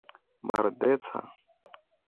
maldeca